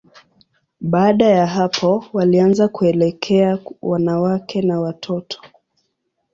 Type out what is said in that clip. Baada ya hapo, walianza kuelekea wanawake na watoto.